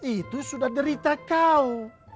itu sudah derita kau